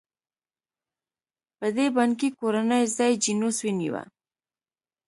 په دې بانکي کورنۍ ځای جینوس ونیوه.